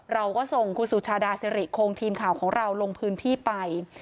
เราก็ส่งคุณสุชาดาสิริโครงทีมข่าวของเราลงพื้นที่ไป